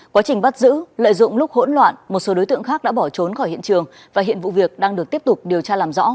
quá trình bắt giữ lợi dụng lúc hỗn loạn một số đối tượng khác đã bỏ trốn khỏi hiện trường và hiện vụ việc đang được tiếp tục điều tra làm rõ